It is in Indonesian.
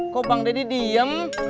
kok bang dadi diem